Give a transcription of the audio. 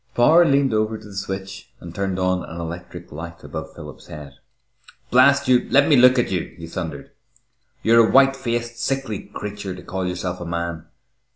Power leaned over to the switch and turned on an electric light above Philip's head. "Blast you, let me look at you!" he thundered. "You're a white faced, sickly creature to call yourself a man!